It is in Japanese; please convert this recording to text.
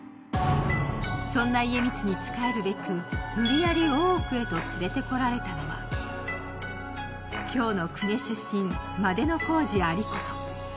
そんな家光に仕えるべく、無理やり大奥へと連れてこられたのは、京の公家出身、万里小路有功。